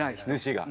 主が？